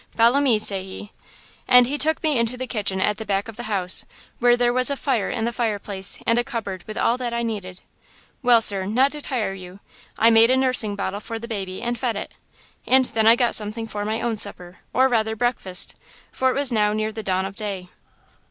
"'Follow me,' say he. "And he took me into the kitchen at the back of the house, where there was a fire in the fireplace and a cupboard with all that I needed. Well, sir, not to tire you, I made a nursing bottle for the baby and fed it. And then I got something for my own supper, or, rather, breakfast, for it was now near the dawn of day.